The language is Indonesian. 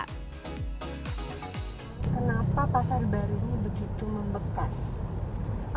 kenapa pasar baru ini begitu membekas